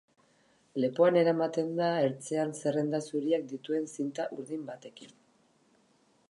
Lepoan eramaten da ertzean zerrenda zuriak dituen zinta urdin batekin.